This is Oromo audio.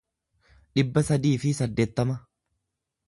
dhibba sadii fi saddeettama